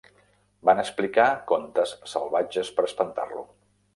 Van explicar contes salvatges per espantar-lo.